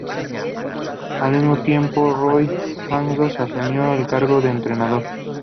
Al mismo tiempo, Roy Hodgson asumió el cargo de entrenador.